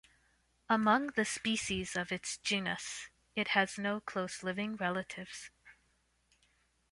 Among the species of its genus, it has no close living relatives.